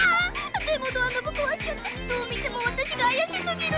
でもドアノブ壊しちゃってどう見ても私が怪しすぎる！